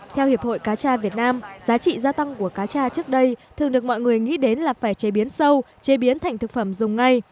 theo hiệp hội cá tra việt nam giá trị gia tăng của cá tra trước đây thường được mọi người nghĩ đến là phải chế biến sâu chế biến thành thực phẩm dùng ngay